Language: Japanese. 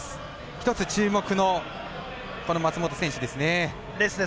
一つ、注目の松元選手ですね。